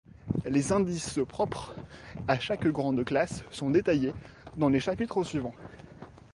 Les indices propres à chaque grande classe sont détaillés dans les chapitres suivants.